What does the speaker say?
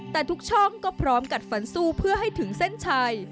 แต่ทุกช่องก็พร้อมกัดฟันสู้เพื่อให้ถึงเส้นชัย